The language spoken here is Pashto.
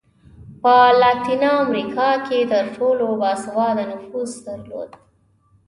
په لاتینه امریکا کې تر ټولو با سواده نفوس درلود.